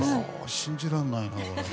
信じられないな。